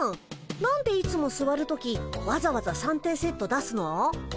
何でいつもすわる時わざわざ三点セット出すの？